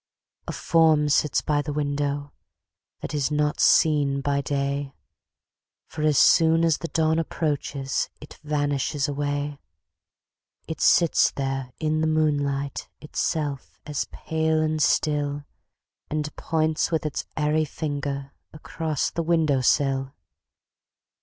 A form sits by the window, That is not seen by day, For as soon as the dawn approaches It vanishes away. It sits there in the moonlight Itself as pale and still, And points with its airy finger Across the window sill.